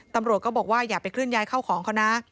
ตำรวจก็บอกว่าอย่าไปเคลื่อนย้ายเข้าของเขานะ